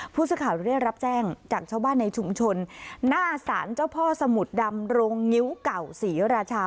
ผู้สื่อข่าวได้รับแจ้งจากชาวบ้านในชุมชนหน้าสารเจ้าพ่อสมุทรดำโรงงิ้วเก่าศรีราชา